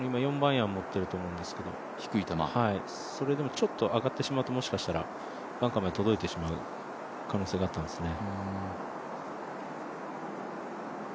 今、４番アイアン持ってると思うんですけどそれでもちょっと上がってしまうと、もしかしてバンカーまで届いてしまう可能性がありますね。